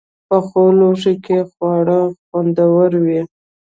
پخو لوښو کې خواړه خوندور وي